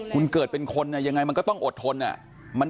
คุณเกิดเป็นคนยังไงมันก็ต้องอดทน